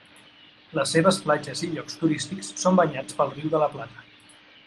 Les seves platges i llocs turístics són banyats pel Riu de la Plata.